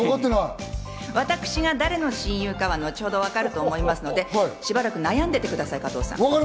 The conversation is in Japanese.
私が誰の親友かは後ほど分かると思いますので、しばらく悩んでてください、加藤さん。